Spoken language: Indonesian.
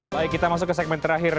baik kita masuk ke segmen terakhir